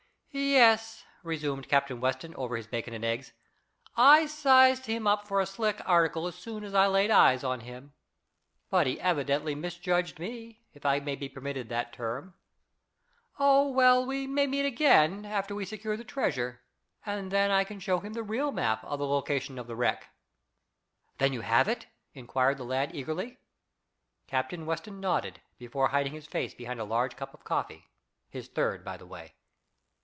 "Yes," resumed Captain Weston, over his bacon and eggs, "I sized him up for a slick article as soon as I laid eyes on him. But he evidently misjudged me, if I may be permitted that term. Oh, well, we may meet again, after we secure the treasure, and then I can show him the real map of the location of the wreck." "Then you have it?" inquired the lad eagerly. Captain Weston nodded, before hiding his face behind a large cup of coffee; his third, by the way.